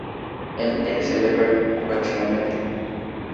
En ella se celebra culto ocasionalmente.